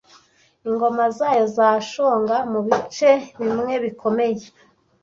Ingoma zayo zashonga mubice bimwe bikomeye--